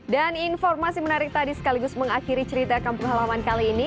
dan informasi menarik tadi sekaligus mengakhiri cerita kampung halaman kali ini